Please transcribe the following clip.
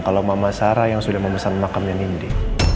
kalau mama sarah yang sudah memesan makamnya nindi